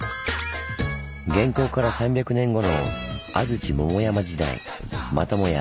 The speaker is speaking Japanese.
元寇から３００年後の安土桃山時代またもや